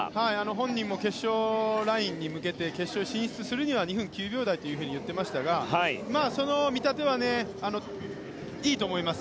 本人も決勝ラインに向けて決勝進出するには２分９秒台と言っていましたがその見立てはいいと思います。